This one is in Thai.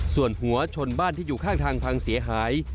ส่วนหัวชนบ้านที่อยู่ข้างทางพังเสียหาย